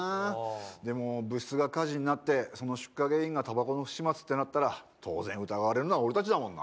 でも、部室が火事になって、その出火原因がたばこの不始末ってなったら疑われるの俺たちだよな。